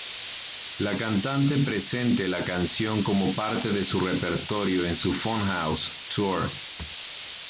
La cantante presente la canción como parte de su repertorio en su Funhouse tour.